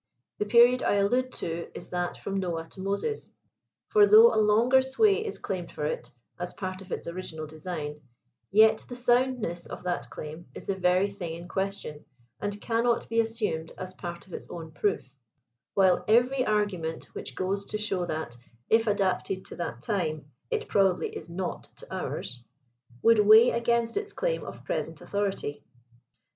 The period I allude to, is that from Noah to Moses ; for though a longer sway is claimed for it, as part of its original design, yet the soundness of that claim is the very thing in question, and cannot be assumed as part of its own proof; while every argument which goes to show that, if adapt* ed to that time, it probably is not to ours, would weigh against its claim of present authority.